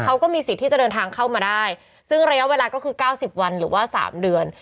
เขาก็มีสิทธิ์ที่จะเดินทางเข้ามาได้ซึ่งระยะเวลาก็คือ๙๐วันหรือว่า๓เดือน